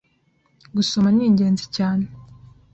Gusoma ni ingezi cyane